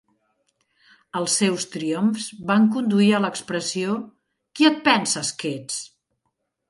Els seus triomfs van conduir a l'expressió "Qui et penses que ets?".